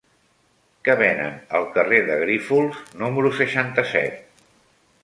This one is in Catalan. Què venen al carrer de Grífols número seixanta-set?